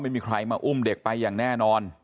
ไม่มีใครมาอุ้มเด็กไปอย่างแน่นอน